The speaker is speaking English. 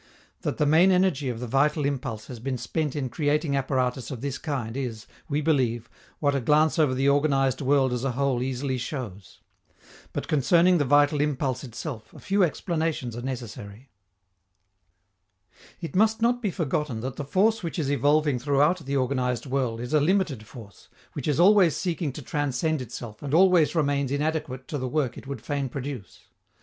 That the main energy of the vital impulse has been spent in creating apparatus of this kind is, we believe, what a glance over the organized world as a whole easily shows. But concerning the vital impulse itself a few explanations are necessary. It must not be forgotten that the force which is evolving throughout the organized world is a limited force, which is always seeking to transcend itself and always remains inadequate to the work it would fain produce.